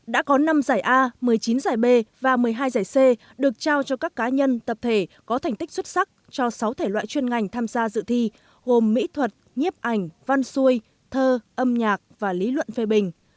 đã có năm giải a một mươi chín giải b và một mươi hai giải c được trao cho các cá nhân tập thể có thành tích xuất sắc cho sáu thể loại chuyên ngành tham gia dự thi gồm mỹ thuật nhiếp ảnh văn xuôi thơ âm nhạc và lý luận phê bình